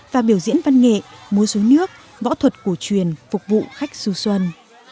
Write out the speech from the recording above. và biểu diễn văn nghệ múa dối nước võ thuật cổ truyền phục vụ khách du xuân